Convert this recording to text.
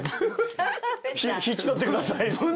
引き取ってください。